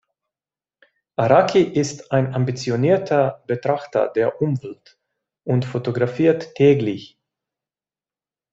Araki ist ein ambitionierter Betrachter der Umwelt und fotografiert täglich.